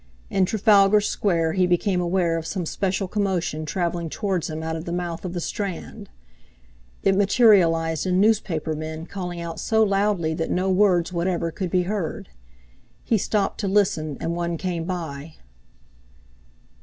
In Trafalgar Square he became aware of some special commotion travelling towards him out of the mouth of the Strand. It materialised in newspaper men calling out so loudly that no words whatever could be heard. He stopped to listen, and one came by.